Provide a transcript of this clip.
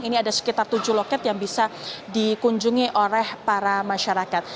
ini ada sekitar tujuh loket yang bisa dikunjungi oleh para masyarakat